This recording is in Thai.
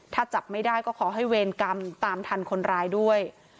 ถ้าจับไม่ได้ก็ขอให้เวรกรรมตามทันคนร้ายด้วย